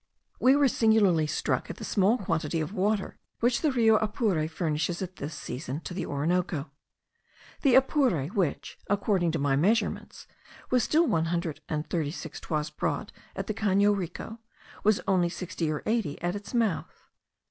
We were singularly struck at the small quantity of water which the Rio Apure furnishes at this season to the Orinoco. The Apure, which, according to my measurements, was still one hundred and thirty six toises broad at the Cano Rico, was only sixty or eighty at its mouth.